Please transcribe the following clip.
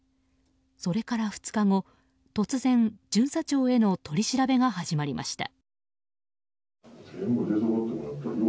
それから２日後、突然巡査長への取り調べが始まりました。